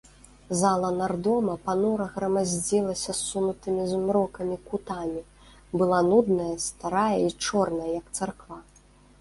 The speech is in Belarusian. Зала нардома панура грамаздзілася ссунутымі змрокам кутамі, была нудная, старая і чорная, як царква.